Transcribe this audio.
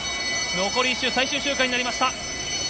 残り１周、最終周回になりました。